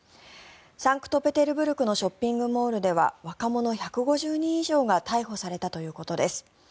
サンクトペテルブルクのショッピングモールでは若者１５０人以上が逮捕されたということです。